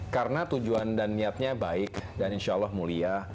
karena tujuan dan niatnya baik dan insya allah mulia